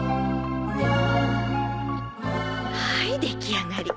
はい出来上がり。